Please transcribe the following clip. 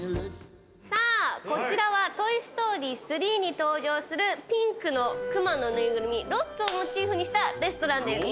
さあこちらは『トイ・ストーリー３』に登場するピンクの熊の縫いぐるみロッツォをモチーフにしたレストランです。